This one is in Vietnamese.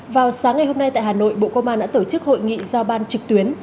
vào sáng ngày hôm nay tại hà nội bộ công an đã tổ chức hội nghị giao ban trực tuyến